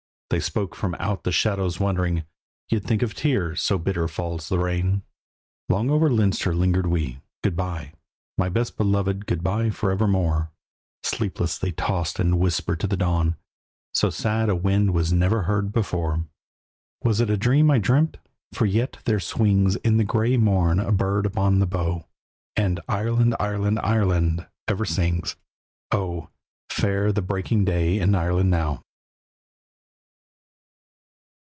They spoke from out the shadows wondering; "You'd think of tears, so bitter falls the rain." Long over Leinster lingered we. "Good bye! My best beloved, good bye for evermore." Sleepless they tossed and whispered to the dawn; "So sad a wind was never heard before." Was it a dream I dreamt? For yet there swings In the grey morn a bird upon the bough, And "Ireland! Ireland! Ireland!" ever sings. Oh! fair the breaking day in Ireland now.